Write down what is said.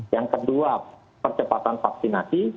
yang kedua percepatan vaksinasi